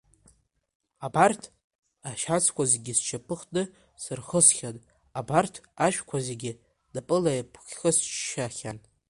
Абарҭ ашьацқәа зегьы сшьапы хтны сырхысхьан, абарҭ ашәҭқәа зегь напыла еиԥхьысшьшьаахьан.